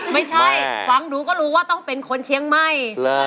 ไม่ใช่ฟังดูก็รู้ว่าต้องเป็นคนเชียงใหม่